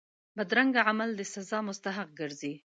بدرنګه عمل د سزا مستحق ګرځي